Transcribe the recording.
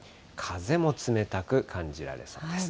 風も冷たく感じられそうです。